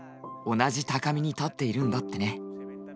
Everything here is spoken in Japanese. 同じ高みに立っているんだってね。